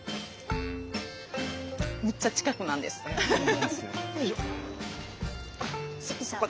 めっちゃ近くなんですハハハ。